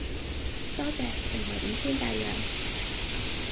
多謝盛惠五千大洋